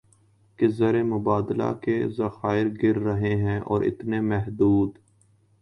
کہ زر مبادلہ کے ذخائر گر رہے ہیں اور اتنے محدود